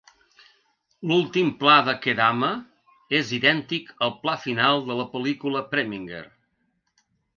L'últim pla de "Kedama" és idèntic al pla final de la pel·lícula Preminger.